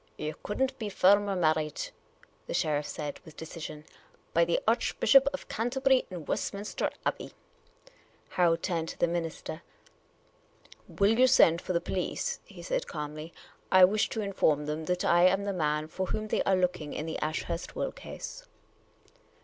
" You could n't be firmer married," the sheriff said, with decision, " by the Archbishop of Canterbury in Westminster Abbey." Harold turned to the minister. "Will you send for the police ?" he said, calmly. " I wish to inform them that I am the man for whom they are looking in the Ashurst will case."